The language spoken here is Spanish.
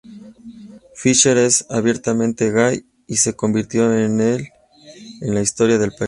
Fischer es abiertamente gay y se convirtió en el en la historia del país.